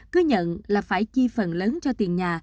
cứ nhận là phải chi phần lớn cho tiền nhà